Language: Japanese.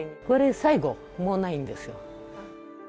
これ最後、もうないんですよ。